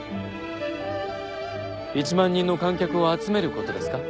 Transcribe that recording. １万人の観客を集めることですか？